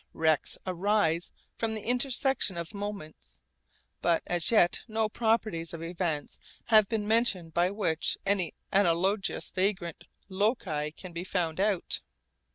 Rects arise from the intersection of moments. But as yet no properties of events have been mentioned by which any analogous vagrant loci can be found out.